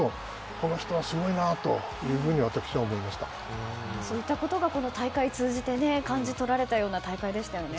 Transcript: この人はすごいなというふうにそういったことが大会を通じて感じ取られた大会でしたよね。